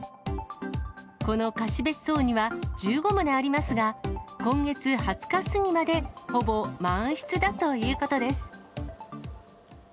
この貸別荘には、１５棟ありますが、今月２０日過ぎまでほぼ満室だということです。